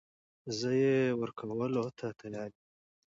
زه يې ورکولو ته تيار يم .